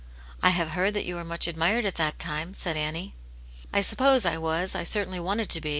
*' I have heard that you were much admired at that time," said Annie. "I suppose I was, I certainly wanted to be.